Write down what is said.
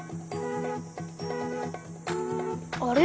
あれ？